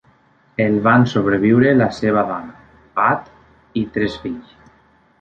El van sobreviure la seva dona, Pat, i tres fills.